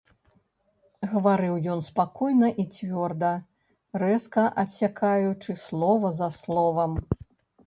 Гаварыў ён спакойна і цвёрда, рэзка адсякаючы слова за словам.